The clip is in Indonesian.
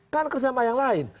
kan kerjasama yang lain